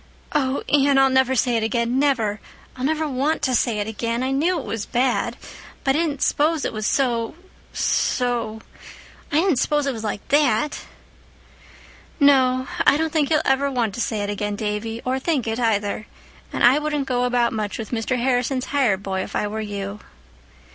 "Oh, Anne, I'll never say it again—never. I'll never want to say it again. I knew it was bad, but I didn't s'pose it was so—so—I didn't s'pose it was like that." "No, I don't think you'll ever want to say it again, Davy—or think it, either. And I wouldn't go about much with Mr. Harrison's hired boy if I were you."